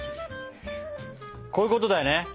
こういうことだよね？